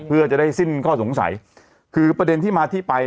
เพื่อจะได้สิ้นข้อสงสัยคือประเด็นที่มาที่ไป